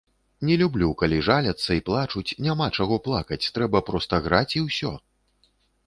Не люблю, калі жаляцца і плачуць, няма чаго плакаць, трэба проста граць, і ўсё!